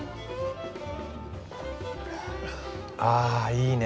ああいいね。